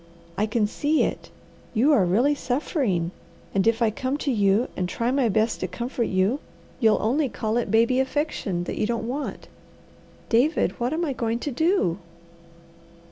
I can see it! You are really suffering, and if I come to you, and try my best to comfort you, you'll only call it baby affection that you don't want. David, what am I going to do?"